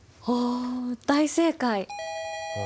お大正解！